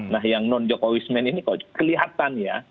nah yang non jokowismen ini kok kelihatan ya